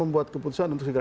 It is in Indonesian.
buat keputusan untuk segera